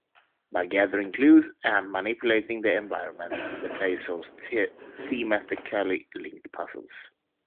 By gathering clues and manipulating the environment, the player solves thematically linked puzzles.